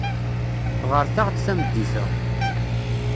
Ɣret-aɣ-d tameddit-a.